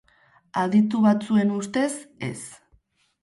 Aditu batzuen ustez, ez.